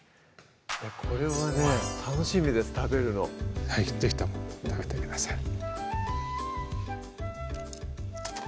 これはね楽しみです食べるの是非とも食べてください